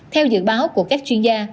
theo dự báo của các chuyên gia